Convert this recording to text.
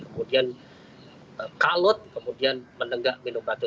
kemudian kalut kemudian menenggak minum batu